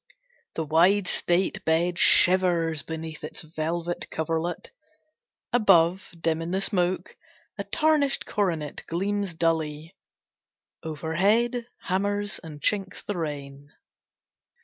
The wide, state bed shivers beneath its velvet coverlet. Above, dim, in the smoke, a tarnished coronet gleams dully. Overhead hammers and chinks the rain.